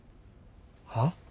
はっ？